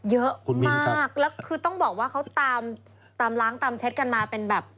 เยอะมากแล้วคือต้องบอกว่าเขาตามตามล้างตามเช็ดกันมาเป็นแบบ